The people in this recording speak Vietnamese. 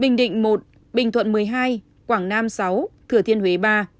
bình định một bình thuận một mươi hai quảng nam sáu thừa thiên huế ba